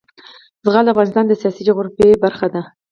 زغال د افغانستان د سیاسي جغرافیه برخه ده.